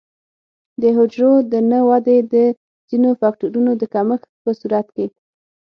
د حجرو د نه ودې د ځینو فکټورونو د کمښت په صورت کې.